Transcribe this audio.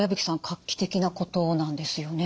画期的なことなんですよね？